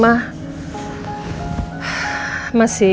masih shock aja sih